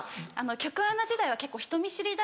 局アナ時代は結構人見知りだし